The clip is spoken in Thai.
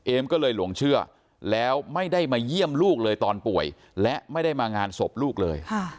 ก็เลยหลงเชื่อแล้วไม่ได้มาเยี่ยมลูกเลยตอนป่วยและไม่ได้มางานศพลูกเลย